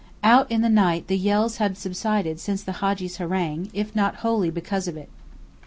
Out in the night the yells had subsided since the Hadji's harangue, if not wholly because of it.